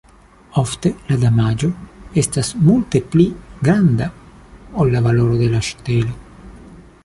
Ofte la damaĝo estas multe pli granda ol la valoro de la ŝtelo.